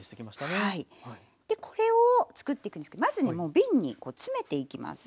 でこれを作っていくんですけどまずねもう瓶にこう詰めていきます。